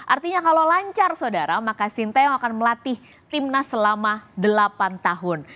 artinya kalau lancar saudara maka sinteyong akan melatih timnas selama delapan tahun